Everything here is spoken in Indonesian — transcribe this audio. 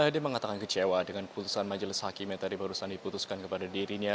dia mengatakan kecewa dengan keputusan majelis hakim yang tadi barusan diputuskan kepada dirinya